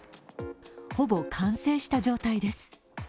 ほぼ完成した状態です。